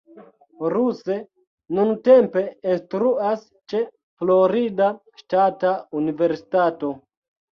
Ruse nuntempe instruas ĉe Florida Ŝtata Universitato.